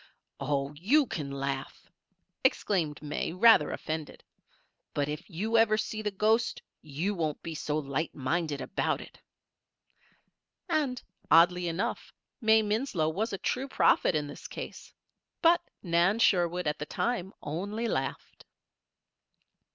"Oh, you can laugh!" exclaimed May, rather offended. "But if you ever see the ghost you won't be so light minded about it." And, oddly enough, May Winslow was a true prophet in this case; but Nan Sherwood, at the time, only laughed.